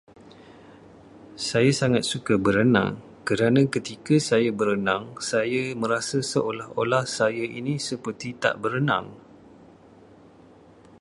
Saya sangat suka berenang kerana ketika saya berenang, saya merasa seolah-olah saya ini tak berenang.